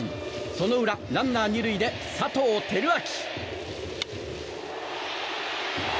その裏、ランナー２塁で佐藤輝明。